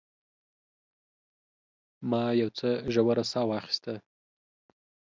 ما یو څه ژوره ساه واخیسته.